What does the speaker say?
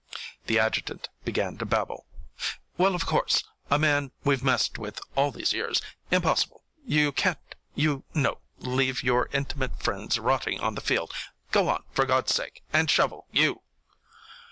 The adjutant began to babble. "Well, of course a man we've messed with all these years impossible you can't, you know, leave your intimate friends rotting on the field. Go on, for God's sake, and shovel, you!"